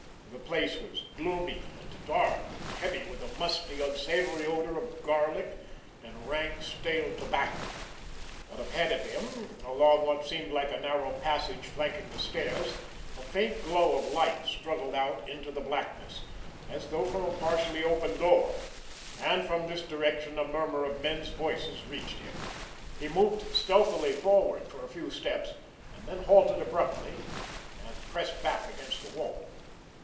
The place was gloomy and dark, and heavy with a musty, unsavory odor of garlic and rank, stale tobacco; but ahead of him, along what seemed like a narrow passage flanking the stairs, a faint glow of light struggled out into the blackness, as though from a partially opened door, and from this direction a murmur of men's voices reached him. He moved stealthily forward for a few steps; and then halted abruptly, and pressed back against the wall.